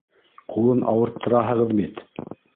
Ҡулын ауырттыраһығыҙ бит.